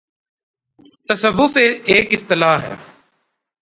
' تصوف‘ ایک اصطلاح ہے۔